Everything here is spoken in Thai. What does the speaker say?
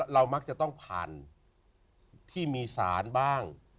เรามักจะต้องผ่านที่มีสารบ้าง